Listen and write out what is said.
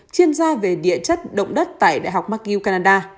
chuyên gia về địa chất động đất tại đại học markiu canada